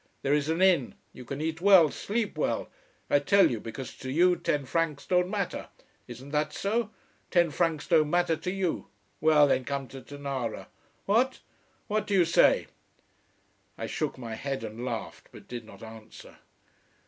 There is an inn: you can eat well, sleep well. I tell you, because to you ten francs don't matter. Isn't that so? Ten francs don't matter to you. Well, then come to Tonara. What? What do you say?" I shook my head and laughed, but did not answer.